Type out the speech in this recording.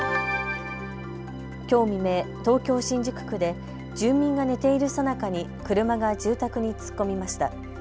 きょう未明、東京新宿区で住民が寝ているさなかに車が住宅に突っ込みました。